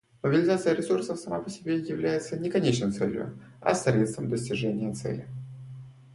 Мобилизация ресурсов сама по себе является не конечной целью, а средством достижения цели.